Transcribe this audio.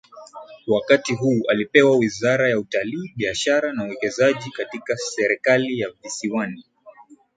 Wakati huu alipewa wizara ya Utalii Biashara na Uwekezaji katika serikali ya visiwani